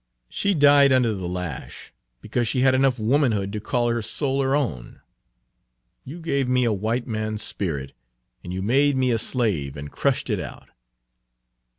She died under the lash, because she had enough womanhood to call her soul her own. You gave me a white man's spirit, and you made me a slave, and crushed it out."